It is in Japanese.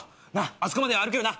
あそこまでは歩けるな？